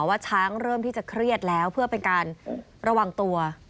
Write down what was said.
ว่าช้างเริ่มที่จะเครียดแล้วเพื่อเป็นการระวังตัว